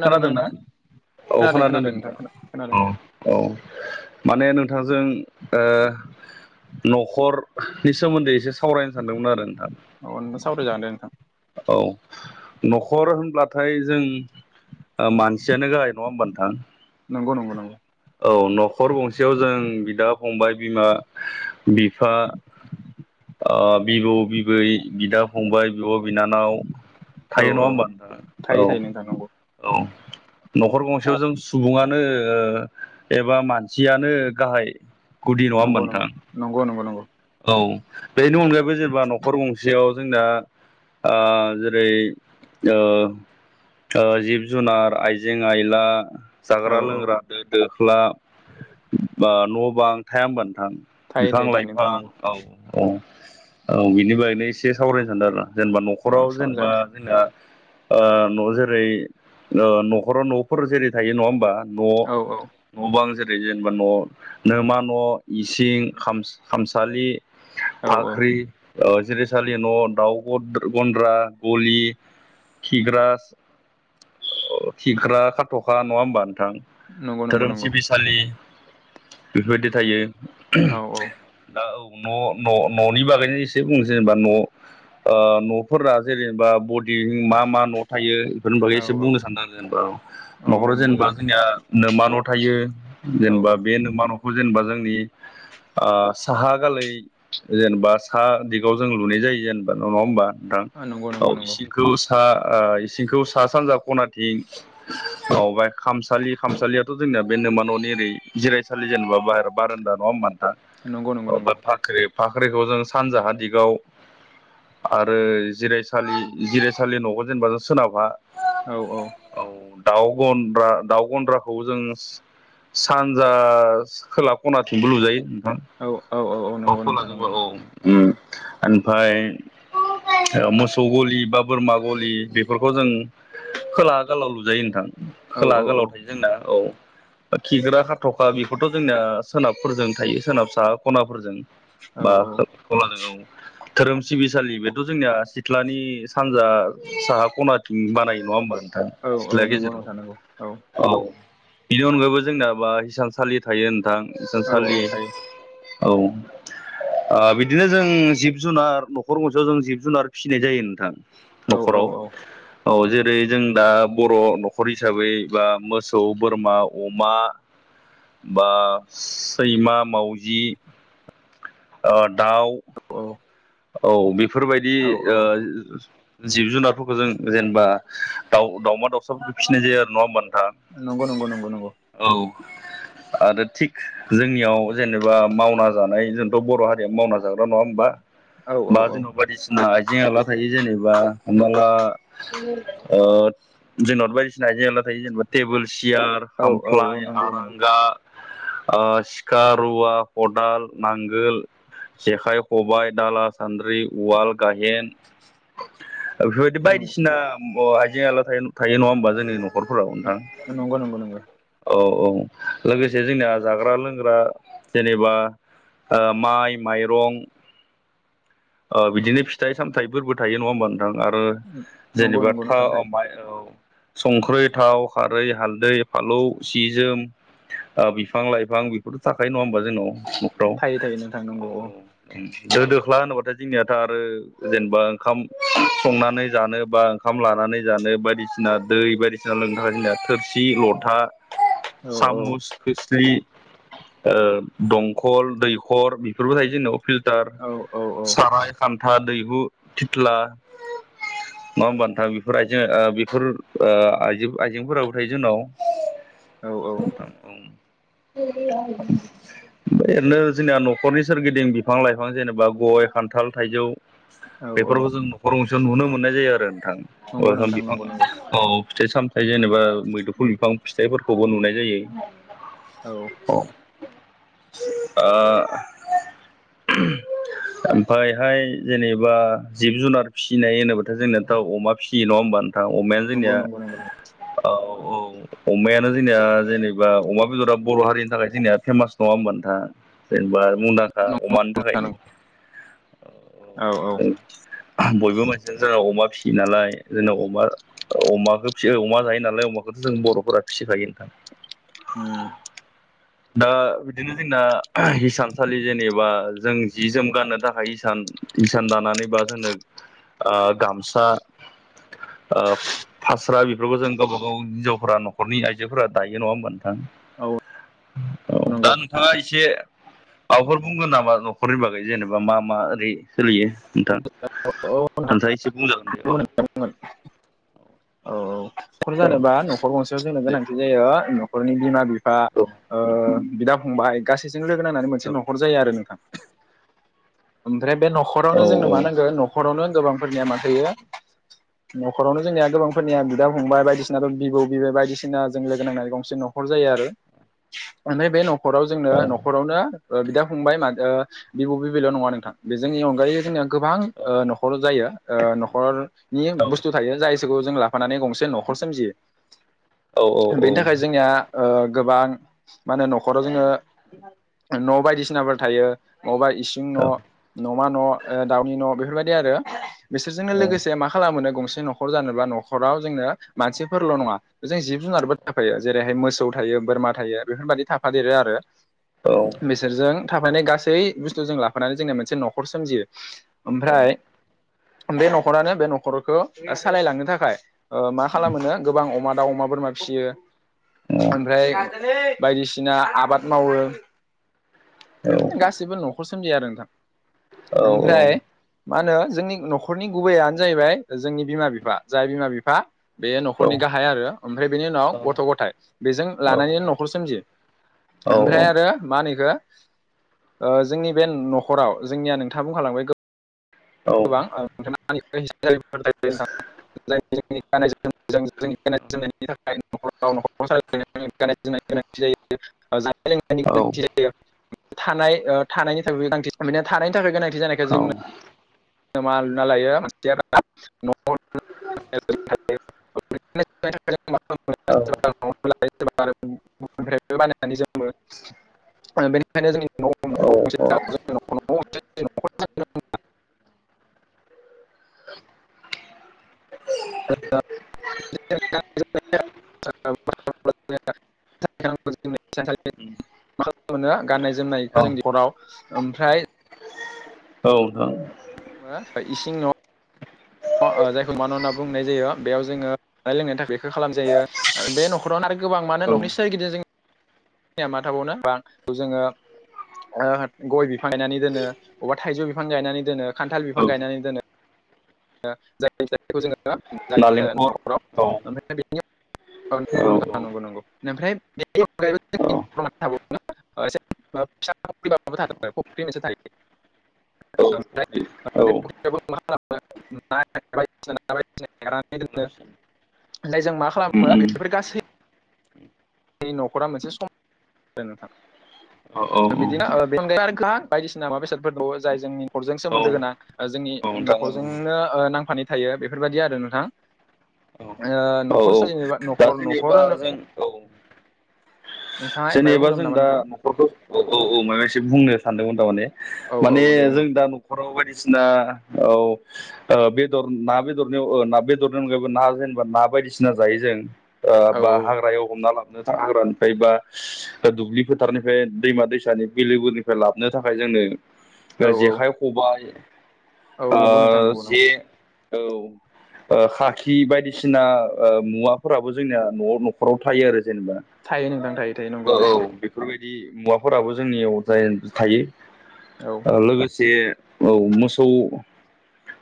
खोनादोंना? खोनादों खोनादों नोंथां खोनादों। औ औ माने नोंथांजों ओ न'खरनि सोमोन्दै एसे सावरायनो सानदोंमोन आरो नोंथां। औ सावरायजागोन दे नोंथां औ न'खर होनब्ला नाथाय जों मानसियानो गाहाय नङा होमबानोथां नंगौ नंगौ नंगौ औ न'खर गंसेयाव जों बिदा फंबाय बिमा बिफा बिबौ बिबै बिदा फंबाय बिब' बिनानाव औ थायो नङा औ होमबा नोंथाङ थायो औ थायो नोंथां औ न'खर गंसेयाव जों सुबुङानो एबा मानसियानो गाहाय गुदि नङा होमबा नंगौ नंगौ नोंथां नंगौ नंगौ नंगौ औ बेनि अनगायैबो जेनेबा न'खर गंसेयाव जोंना जेरै जिब जुनार आइजें आयला औ जाग्रा औ लोंग्रा दो दोख्ला ब न' बां थाया ह होनबानो ां थायो बिफां थायो थायो नोंथां लाइफां नंगौ औ औ औ बिनि बनो एसे सावरायनो सानदों आरोा जेनेबा औ न'खराव सावरायजागोन जेनेबा दे जोंना जेरै न'खराव न'फोर जेरै थायो नङा होमबा न' औ औ न' बां जे जेनेबा न'नो मा न' इसिं खामसालि औ औ फाख्रि जिरिसालि न' दाउ गन्द्रा गलि खिग्र खिग्रा खाथ'खा नङा होमबानो नंगौ नंगौ धोरोम नंगौ सिबिसालि बेफोरबायदि थायो औ दा औ न' न'नि बागैनो एसे बुंनो जेनेबा न' न'फोराना जेनेबा ब मा मा न' थायो बेफोरनि बागै औ एसे बुंनो सान आरो जेनेबा औ औ न'खराव जेनेबा मोजां जोंनिया नोमा न' थायो औ जेनेबा औ बे नोमा न'खौ जेनेबा जोंनि। साहा गालै जेनेबा साहा दिगाव जों लुनाय जायो जेनेबा नङा होमबा नोंथां नंगौ नंगौ औ नंगौ इसिखौ सा इसिंखौ सा सानजा खनाथिं माय खामसालि खामसालियाथ' जों जोंना बेनोा न'नि ओरै जिरायसालि जेनेबा। बर बार होना न होनानथा नंगौ नंगौ नंगौ फाख्रि। फाख्रिखौ जों सानजाहा दिगाव। आरो जिरायसालि जिरायसालि न'आव जेनेबा जों सोनाबहा। औ औ। दाउ गन्द्रा दाउ गन्द्राखौ जों सानजा। खोला खनाथिंबो लुजायो नोंथां। औ औ औ औ नंगौ अखौ नोंथां नंगौ लाजोबबाय औ ओमफ्राय। मोसौ गलि बा बोरमा गलि बेफोरखौ जों। खोला गोलाव लुजायो नोंथां औ औ खोलाहा गोलाव थायो जोंना औ। खिग्रा खााथ'खा बेखौथ' जोंनिया सोनाबफोरजों थायो सोनाब साहा खनाफोरजों। औ बा खलानांगौ। धोरोम सिबिसालि बेथ' जोंनिया सिथ्लानि सानजा साहा खनाथिं बानाय नङा होमबानो। औ औ सिथ्लााया नंगौ गेजेराव नोंथां नंगौ औ। बिनि अनगायैबो जोंनााबा हिसानसालि थायो नोंथां औ औ हिसानसालि। थायो औ। बिदिनो जों जिब जुनार न'खर गंसेयाव जों जिब जुनार फिसिनाय जायो नोंथां। औ औ न'खराव। औ जेरै जों दा बर' न'खर हिसाबै बा मोसौ बोरमा अमा। बा सैमा मावजि। दाउ। औ औ बेफोरबायदि। औ औ जिब जुनारफोरखौ जों जेनेबा दाउ दाउमा दाउसाफोरखौ फिसिनाय जायो आरो नङा ह होनोमब्ला। नंगौ नंगौ नंगौ नंगौ। [inaudible] आरो थिग जोंनियाव जेनेबा मावना जानाय जोंथ' बर' हारिया मावना जाग्रा नङा होमबा? औ बा जेन' बायदिसिना आइजें आला थायो। जेनेबा हमनाला ओ जो जोनत बायदिसिना आयजें आयला थायो जेनेबा तेबोल सियार औ औ हामफ्लाय नंगौ नंगौ नंगौ आरांगा सिखा रुवा खदाल नांगोल जेखाइ खबाय। दाला सान्द्रि उवाल गाहेन बेफोरबायदि नंगौ बायदिसिना हाइजें आला थायो नङा होमबा जोंनि न' नखरफोराव नोंथां नंगौ नंगौ नंगौ औ। औ लोगोसे जोंनाया जाग्रा लोंग्रा जेनेबा माइ माइरं बिदिनो फिथाइ सामथायाइफोरबो थायो नङा होन आरो जेनेबा नंगौ नोंथां थायो थामाइ ओ संख्रै थाव खारै हालदै फालौ सि जोम बिफां लाइफां बेफोरथ' थाखायायो नङा होमबा, जोंनाव न'खराव। थायो थायो नोंथां नंगौ औ जों दोख्ला होनोबाथाय जोंनियाथ' आरो जेनेबा ओंखाम संनानै जानो बा ओंखाम लानानै जानो बायदिसिना जोंना दै बायदिसिना लोंनो थाखाय जोंना थोरसि लथा औ सामस खोस्लि दंखल दैखर बेफोरबो थायो जोंनबाव फिल्टार औ औ साराय खान्था दैहु थिथ्ला नङा होमबानोथां बेफोर आइजें बेफोर आ आइजेंफोराबो थायो जोंनाव। [inaudible] औ औ ओरैनो जोंनिना न'खरनि सोरगिदिं बिफां लाइफां जेनेबा गय खान्थाल थाइजौ औ औ बेफोरखौ जों न'खर गंसेयाव नुनो मोननाय जायो आरो नों थां नंगौ नोंथां नंगौ नंगौ [unintelligible] औ फिथाइ सामथायाइ जेनेबा मैदुफु बिफां फिथाइफोरखौबो नुनाय जायो। औ औ आ [unintelligible] फ्रायहाय जेनेबा जिब जुनार फिसिनाय होनोबाथ जोंना दाव अमा फिसियो नङा होमबा? अमायानो नंगौ जोंनिया नंगौ नंगौ औ औ। अमायानो जोंनिया जेनेबा अमा बेदरा बर' हारिनि थाखाय जोंनिया फेमास नङा होमबा नोंथां जेनेबा मुंदांखा नंगौ औ अमानि थाखायनो औ औ। बयबो मोनसेयानो जोंना अमा फिसियो नालाय जोंनाव अमा अमाखौ फियो अमा जायो नालाय अमाखौथ जों बर'फोरा फिसिखायो नोंथां। उम दा बिदिनो जोंना हिसानसालि जेनेबा जों जि जोम गाननो थाखाय इसान दानानै बा जोंनो गामसा फास्रा बेफोरखौ जों गावबागाव हिनजावफोरा नखरनि आइजोफोरा दायो नङा होमबा नों थां औ औ दा बुंगोन नोंथाङा एसे माबाफोर बुंगोन नामा नखरनि बागै जेनेबा मा मा ओरै सोलियो नोंथां औ नोंथाङा एसे बुंजागोन दे औ। न'खर नखर जानोबा नखर गंसेयाव जोंनो दे गोनांथि नोंथां जायो नखरनि बिमा बिफा औ ओ बिदा फंबाय गासैजों लोगो नांनानानै मोनसे औ नखर जायो आरो नोंथां। ओफ्राय बे नखरावनो औ औ जोंनो मा नांगो नखरावनो गोबांफोरनिया माथो नखरावनो जोंनिया गोबांफोरनिया बिदा फंबाय बायदिसिनाथ बिबौ बिबै बायदिसिना जों लोगो नांनानै गंसे नखर जायो आरो ओमफ्राय बे नखराव जोंनो नखरावनो बिदा फंबाय मा ओ बिबौ बिबैल नङा नोंथां बेजों अनगायै जोंनिया गोबां नखर जायो नखरनि बुस्थु थायो जायसोखौ जों लाफानानै से न'खर सोमजियो बेनि थाखाय जोंनिया ओ गोबां मा होनो न'खराव जोङो न' बायदिसिनाफोर थायो। अबा इसिं न' न'मा न' दाउनि न' बेफोरबायदि आरो बिसोरजोंनो लोगोसे मा खालामोनो गंसे न'खर जानोब्ला न'खराव जोंनो मानसिफोरल' नङा जों जिब जुनारबो थाफायो जेरैहाय मोसौ थायो बोरमा थायो बेफोरबादि थाफादेरो आरो औ औ बिसोरजों थाफानाय गासै सै बुस्थु जों लाफानानै जोंना मोनसे न'खर सोमजियो ओमफ्राय बे न'खरानो बे न'खरखो सालायलांनो थाखाय ओ मा खालामोनो गोबां अमा दाउ अमा बोरमा फिसियो ओमफ्राय बायदिसिना आबाद मावो बेफोरदि गासिबो न'खर सोमजियो आरो। ओमफ्राय मा होनो जोंनि न'खरनि गुबैयानो जाहैबाय जोंनि बिमा बिफा जाय बिमा बिफा बे न'खरनि गाहाय आरो ओमफ्राय बेनि उनाव गथ' गथाय बेजों लानानैनो न'खर सोमजियो। ओमफ्राय आरो मा होनो इखो ओ जोंनि बे न'खराव जोंनिया नोंथाङा बुंखालांबाय गो गोबां [unintelligible] [unintelligible] [unintelligible] लोंनायनि गोनांथि जायो थानाय ओ थानायनि थाखाय गोनां थानायनि थाखाय गोनांथि थि जानायखाय जोंनो मा लुना लायो मानसिया [unintelligible] [unintelligible] [unintelligible] दाउ [unintelligible] [unintelligible] [unintelligible] [unintelligible] मा खालामनो गाननाय जोमनायखो जोंनि हराव ओमफ्राय औ औ। फ्राय इसिं न' ओ जायखौ नमा न' होनना बुंनाय जायो बेयाव जोङो जानाय लोंनायनि थाखाय बेखौ खालाम जायो बे न'खरावनो गोबां मानो न'नि सोरगिदिं जोंनिया मा थाबावनो बा जोङो ओ गय बिफां गायनानै दोनो बबेबा थाइजौ बिफां गायनानै दोनो खान्थाल बिफां गायनानै दोनो। जायखौ जोङो जायो नालेंखर न'खराव औ ओंखायनो बे औ नंगौ नोंथां औ नंगौ नंगौ औ औ औ [unintelligible] [unintelligible] [unintelligible] [unintelligible] ओमफाय जों मा उम खालामो उम बेफोर गासै बे न'खरा मोनसे सम नोंथां। औ औ। बिदिनो औ ओ बिफां लायफां बायदिसिना मुवा बेसादफोर दंबावो जाय जोंनि न'खरजों सोमोन्दो गोनां औ जोंनि नोंथां न'खर औ जोंनो ओ नांफानै थायो बेफोरबायदि आरो नोंथां। औ। औ न'खर औ सोरनिबा दा न'खर न'खर जेनेबा जों औ। नोंथाङा माबा जेनेबा बुंदोंमोन जों नामा दा नोंथां न'खरखौ औ औ मायबा मोनसे बुंनो सानदोंमोन तामाने औ माने औ दे बुं जों दा न'खराव बायदिसि सिना औ ओ बेदर ना बेदरनि ना बेदर अनगायैबो ना जेनेबा ना बायदिसिना जायो जों ओ औ बा औ हाग्रायाव हमना लाबनो हाग्रानिफ्राय बा दुब्लि फोथारनिफ्राय दैमा दैसानि बिलोगुरिनिफ्राय लाबनो थाखाय औ जोंनो जेखाइ खबाइ औ नंगौ नोंथां ओ नंगौ नंगौ जे औ। ओ खाखि बायदिसिना ओ मुवाफोराबो जोंनिनाया न'आव न'खराव थायो आरो। जेनेबा थायो नोंथां थायो। थायो औ नंगौ औ नोंथां बेफोरबायदि मुवाफोराबो जोंनिआव थायो औ लोगोसे। औ मोसौ।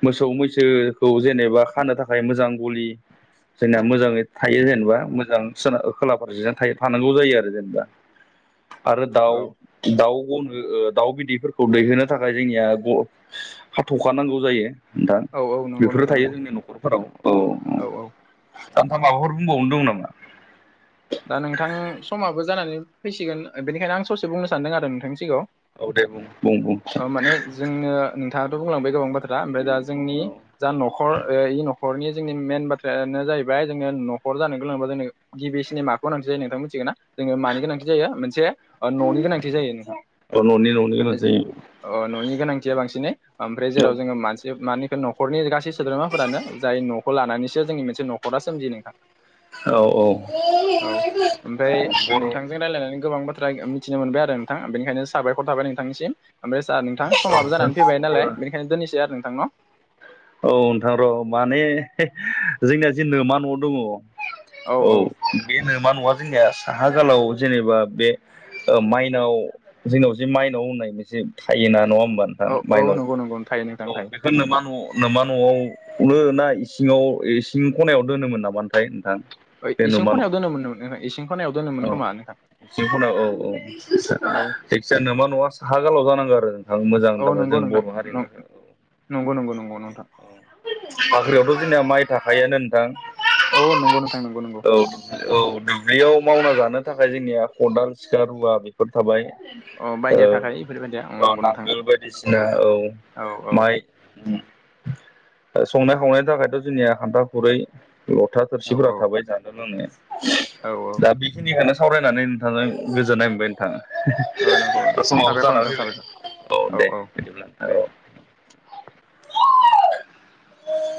मोसौ मैसोखौ जेनेबा खानो थाखाय मोजां गलि। जोंनिया मोजाङै थायो जेनेबा मोजां सोना खोलाफारसेजों थायो थानांगौ जायो आरो। जेनेबा आरो औ दाउ दाउ। गनो ओ दाउ बिदैफोरखौ दैहोनो थाखाय जोंनिया ग' खाथ'खानांगौ जायो। नोथां औ औ नंगौ बेफोरो नोंथां थायो नंगौ जोंनि न'खरफोराव औ औ उम। औ दा नोंथां माबाफोर बुंबावनो दं नामा। दा नोंथां समाबो जानानै फैसिगोन बेनिखायनो आं ससे बुंनो सानदों आरो नोंथांनि सिगाङाव। औ दे बुं बुं बुं अ माने जोंनो नोंथाङाथ' बुंलांबाय गोबां बाथ्रा ओमफ्राय दा। जोंनि औ जा न'खर ओ इ नखर। न'खरनि जोंनि मैइन बाथ्रायानो जाहैबाय जोङो न'खर जानो गोनांबा जोंनि गिबि सि न माखो गोनांथि जायो नोंथां मिथिगो ना जोङो मानि गोनांथि जायो मोनसे न'नि गोनांथि जायो। औ न'नि न'नि गोनां जायो अ न'नि गोनांथिया बांसिनै ओमफ्राय जेराव जोङो औ मानसि मानि। न'खरनि गासै सोद्रोमाफोरानो जाय न'खौ लानानैसो जोंनि मोनसे न'खरा सोमजियो नोंथां। औ औ। औ ओमफ्राय बर' नोंथांजों रायलायनानै गोबां बाथ्रा। मिथिनो मोनबाय आरो नोंथां बेनिखायनो साबायखर थाबाय नोंथांनिसिम। ओमफ्राय सार नोंथां औ समाबो जानानै फैबाय जेनेबा नालाय बेनिखायनो दोननिसै आरो नोंथां न'। औ नोंथां र' माने जोंनिया जि नोमा न' दङ। औ बे नोमा न'वा। जोंनिया साहा गालाव जेनेबा बे माइनाव जोंनाव जे माइनाव होननाय मोनसे। थायोना नङा होमबा नोंथां औ औ माइनाव नंगौ नंगौ थायो औ नोंथां थायो बेखौ नोमा। नामा न'आवनो ना इङाव इसिं खनायाव दोनोमोन नामाथाय नोंथां ओइ बे इसिं नोमा न' खनायाव दोनोमोन नोंथां इसिं खनायाव दोनोमोन औ खोमा नोंथां औ औ औ जायखिजाया नोंमा न'आ साहा गोलाव जानांगौ आरो मोजां औ दारमान नंगौ जों नोंथां बर' हारिनि थाखाय नंगौ नंगौ नंगौ नोंथां औ फाख्रियावथ' जोंनिया माइ थाखायोनो नोंथां औ नंगौ नोंथां नंगौ नंगौ औ औ दुब्लियाव मावना जानो थानो थाखाय जोंनिया खदाल सिखा रुवा बेफोर थाबाय अ बायदिया थाखायो बेफोरबायदिया औ औ नंगौ नोंथां नांगोल बायदिसिना औ औ औ माइ संनाय खावनायनि थाखायथ' जोंनिया खान्था खुरै लथा औ थोरसिफोरा औ थाबाय जानो लोंनाया औ दा बेखिनिखौनो सावरायनानै नोंथांजों गोजोननाय मोनबाय नोंथाङा औ नंगौ द समाव साबायखर नोंथां जानानानै साबायखर फैबाय औ दे बिदिब्लाब्ला दे औ